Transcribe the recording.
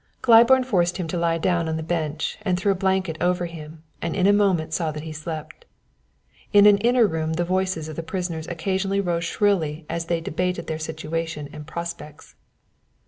'" Claiborne forced him to lie down on the bench, and threw a blanket over him, and in a moment saw that he slept. In an inner room the voices of the prisoners occasionally rose shrilly as they debated their situation and prospects.